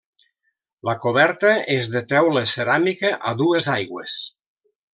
La coberta és de teula ceràmica i a dues aigües.